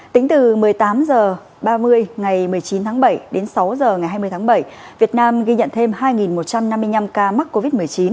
tính từ một mươi tám h ba mươi ngày một mươi chín tháng bảy đến sáu h ngày hai mươi tháng bảy việt nam ghi nhận thêm hai một trăm năm mươi năm ca mắc covid một mươi chín